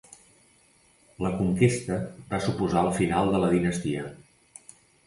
La conquesta va suposar el final de la dinastia.